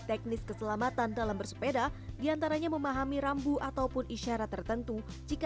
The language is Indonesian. teknis keselamatan dalam bersepeda diantaranya memahami rambu ataupun isyarat tertentu jika